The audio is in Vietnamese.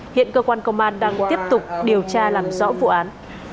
hiện cơ quan công an đang tiếp tục điều tra làm rõ vụ án